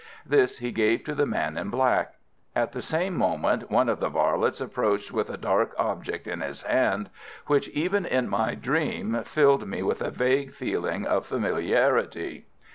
This he gave to the man in black. At the same moment one of the varlets approached with a dark object in his hand, which even in my dream filled me with a vague feeling of familiarity.